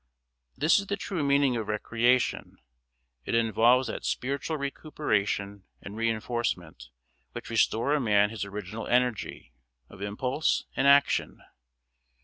This is the true meaning of recreation; it involves that spiritual recuperation and reinforcement which restore a man his original energy of impulse and action.